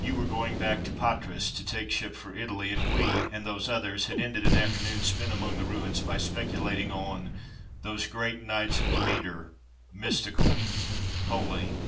You were going back to Patras to take ship for Italy, and we and those others had ended an afternoon spent among the ruins by speculating on those great nights of Demeter, Mystical, holy.